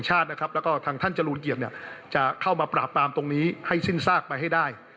จะเข้ามาปราบปรามตรงนี้ให้ซึ่งซากไปให้ได้